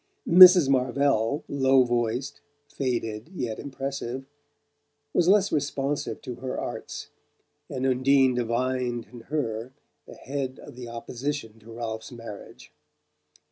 Mrs. Marvell, low voiced, faded, yet impressive, was less responsive to her arts, and Undine divined in her the head of the opposition to Ralph's marriage.